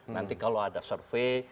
nanti kalau ada survei